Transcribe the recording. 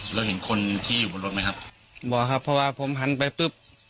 เราเห็นคนที่อยู่บนรถไหมครับบอกครับเพราะว่าผมหันไปปุ๊บ